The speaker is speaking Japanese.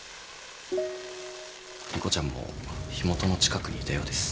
莉子ちゃんも火元の近くにいたようです。